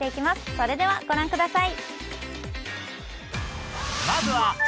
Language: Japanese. それでは、ご覧ください。